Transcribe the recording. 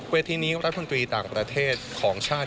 ที่นี้รัฐมนตรีต่างประเทศของชาติ